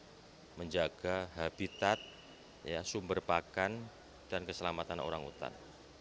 untuk menjaga habitat sumber pakan dan keselamatan orang hutan